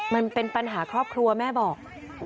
มันเป็นปัญหาครอบครัวแม่บอก